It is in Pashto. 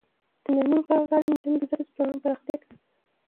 د میرمنو کار او تعلیم مهم دی ځکه چې ټولنې پراختیا کوي.